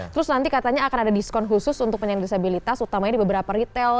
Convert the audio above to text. terus nanti katanya akan ada diskon khusus untuk penyandang disabilitas utamanya di beberapa retail